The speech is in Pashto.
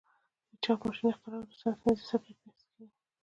د چاپ ماشین اختراع او د ساینس پنځه څپې بحث کیږي.